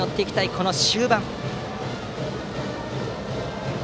この終盤。